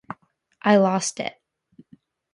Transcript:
I lost it.